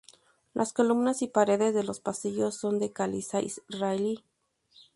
Las columnas y paredes de los pasillos son de caliza israelí.